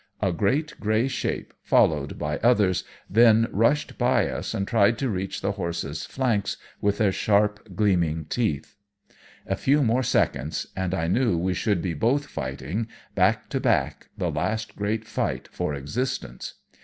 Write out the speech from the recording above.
A great grey shape, followed by others, then rushed by us and tried to reach the horses' flanks with their sharp, gleaming teeth. A few more seconds, and I knew we should be both fighting, back to back, the last great fight for existence.